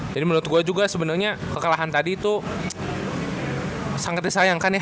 jadi menurut gue juga sebenernya kekalahan tadi itu sangat disayangkan ya